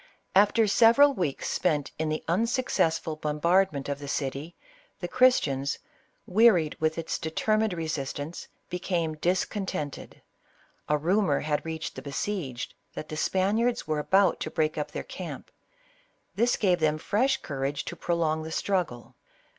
After several weeks spent in the unsuccessful bombardment of the city, the Christians, wearied with its determined resistance, became discontented. A rumor had reached the besieged that the Spaniards were about to break up their camp ; this gave them fresh courage to prolong the struggle.